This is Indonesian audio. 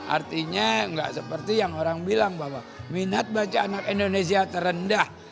artinya nggak seperti yang orang bilang bahwa minat baca anak indonesia terendah